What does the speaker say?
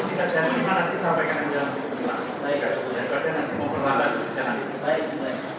kita jangan menimah nanti disampaikan lagi dalam kesimpulan